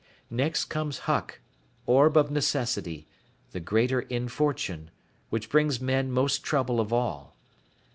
Next comes Huck, orb of necessity, the Greater Infortune, which brings men most trouble of all.